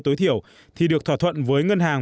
tối thiểu thì được thỏa thuận với ngân hàng